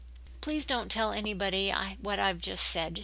"Please don't tell anybody what I have just said?"